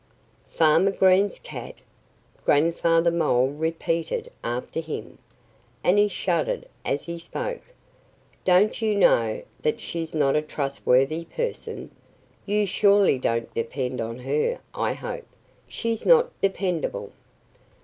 "Farmer Green's cat!" Grandfather Mole repeated after him. And he shuddered as he spoke. "Don't you know that she's not a trustworthy person? You surely don't depend on her, I hope! She's not dependable."